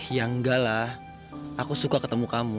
ya enggak lah aku suka ketemu kamu